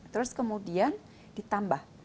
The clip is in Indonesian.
terus kemudian ditambah